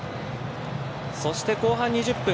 そして後半２０分。